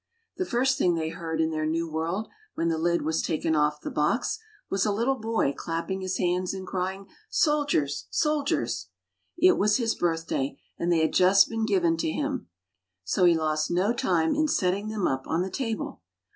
The first thing they heard in their new world, when the lid was taken off the box, was a little boy clapping his hands and crying, "Soldiers, soldiers! " It was his birthday and they had just been given to him; so he lost no time in setting them up on the table.